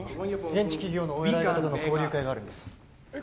現地企業のお偉い方との交流会があるんですえ